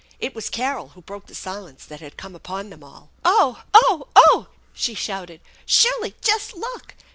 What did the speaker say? It was Carol who broke the silence that had come upon them all. " Oh ! Oh ! Oh !" she shouted. " Shirley, just look